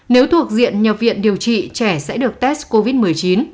nếu thuộc diện nhập viện điều trị trẻ sẽ được test covid một mươi chín